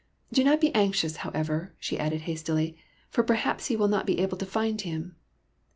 Do not be anxious, however," she added hastily, '' for perhaps he will not be able to find him."